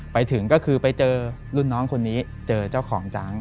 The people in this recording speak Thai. ไปถึงก็คือไปเจอรุ่นน้องคนนี้เจอเจ้าของจัง